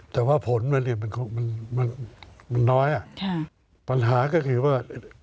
แต่ว่าผลมันเนี่ยมันน้อยอ่ะปัญหาก็คือว่า